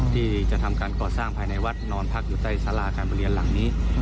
ที่จะทำการก่อสร้างภายในวัดนอนพักอยู่ใต้สาราการประเรียนหลังนี้